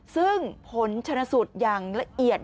ซึ่งผลชนสูตรอย่างละเอียด